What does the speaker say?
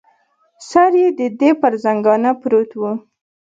سر یې د دې پر زنګانه پروت و.